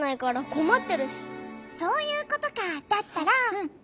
そういうことかだったら。